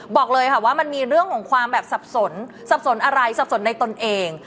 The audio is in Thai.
บอกเลยค่ะว่ามันมีเรื่องของความแบบสับสนสับสนอะไรสับสนในตนเอง